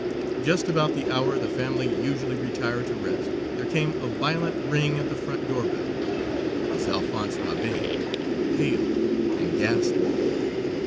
Just about the hour the family usually retired to rest there came a violent ring at the front door bell. It was Alphonse Mabane, pale and ghastly.